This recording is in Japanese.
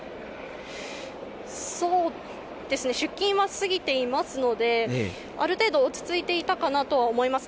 そうですね、出勤は過ぎていますので、ある程度、落ち着いていたかなとは思います。